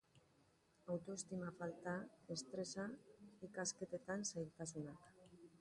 Autoestima falta, estresa, ikasketetan zailtasunak.